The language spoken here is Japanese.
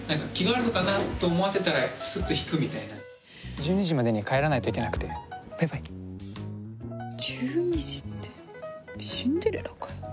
１２時までには帰らないといけなくてバイバイ１２時ってシンデレラかよ